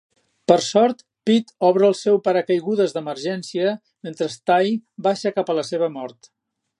Per sort, Pete obre el seu paracaigudes d'emergència mentre Ty baixa cap a la seva mort.